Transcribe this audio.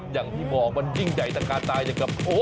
อย่างที่บอกมันยิ่งใหญ่สักการณ์จากกับโอ้โห